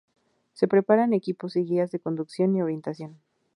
Se preparan equipos y guías de conducción y orientación.